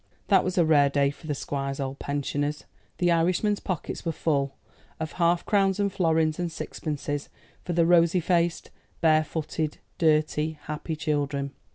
That was a rare day for the Squire's old pensioners. The Irishman's pockets were full of half crowns and florins and sixpences for the rosy faced, bare footed, dirty, happy children.